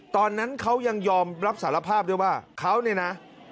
ตอนนั้นเขายังยอมรับสารภาพด้วยว่าเขาเนี่ยนะ